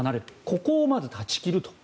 ここをまず断ち切ると。